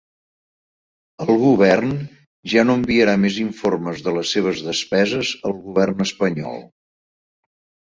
El govern ja no enviarà més informes de la seves despeses al govern espanyol.